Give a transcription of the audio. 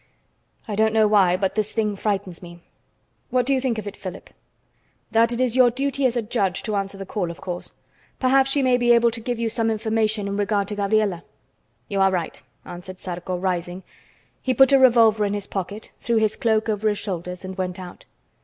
I don't know why, but this thing frightens me. What do you think of it, Philip?" "That it is your duty as a judge to answer the call, of course. Perhaps she may be able to give you some information in regard to Gabriela." "You are right," answered Zarco, rising. He put a revolver in his pocket, threw his cloak over his shoulders and went out.